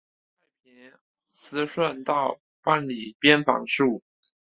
以太平思顺道办理边防事务。